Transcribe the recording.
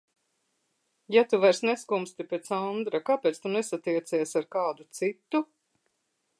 Ja tu vairs neskumsti pēc Andra, kāpēc tu nesatiecies ar kādu citu?